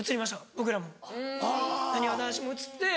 僕らもなにわ男子も移って。